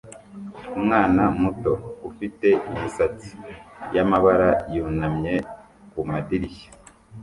Umwana muto ufite imisatsi yamabara yunamye kumadirishya